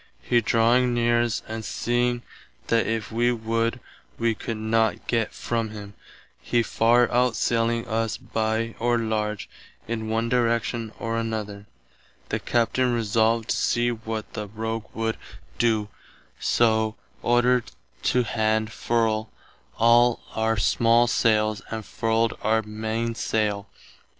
He drawing near us and seeing that if [wee] would, [wee] could not gett from him, he far outsailing us by or large [in one direction or another], the Captain resolved to see what the rogue would doe, soe ordered to hand [furl] all our small sailes and furled our mainesaile.